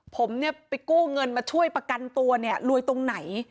ผมไปกู้เงินมาช่วยประกันตัวโดยตรงไหน